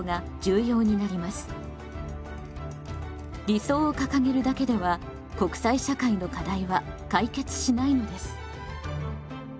理想を掲げるだけでは国際社会の課題は解決しないのです。